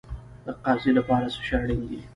د قاضي لپاره څه شی اړین دی؟